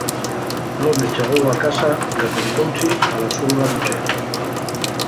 L'home chegóu a casa ya contóu-ḷḷy a la sua mucher.